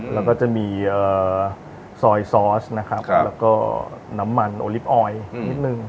แล้วก็จะมีซอยซอสนะครับแล้วก็น้ำมันโอลิปออยนิดนึง